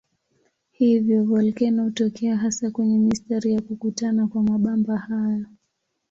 Hivyo volkeno hutokea hasa kwenye mistari ya kukutana kwa mabamba hayo.